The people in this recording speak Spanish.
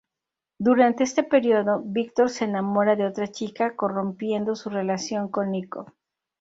Durante este período, Víctor se enamora de otra chica, corrompiendo su relación con Nico.